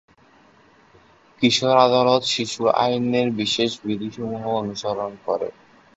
কিশোর আদালত শিশু আইনের বিশেষ বিধিসমূহ অনুসরণ করে।